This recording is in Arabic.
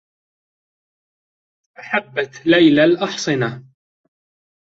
أحبّت ليلى الأحصنة.